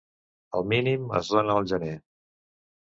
El mínim es dóna el gener.